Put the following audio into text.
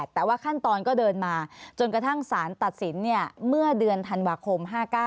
แต่ว่าขั้นตอนก็เดินมาจนกระทั่งสารตัดสินเมื่อเดือนธันวาคม๕๙